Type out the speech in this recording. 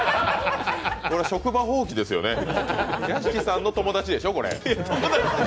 職場放棄ですよね、屋敷さんの友達でしょ？